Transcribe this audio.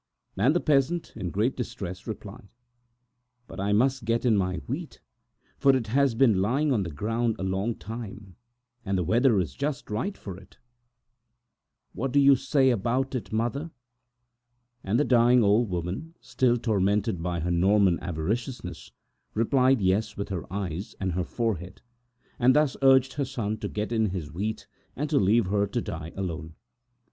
And the peasant, in great distress, replied: "But I must get in my wheat, for it has been lying on the ground a long time, and the weather is just right for it; what do you say about it, mother?" And the dying woman, still possessed by her Norman avariciousness, replied YES with her eyes and her forehead, and so urged her son to get in his wheat, and to leave her to die alone.